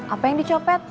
apa yang dicopet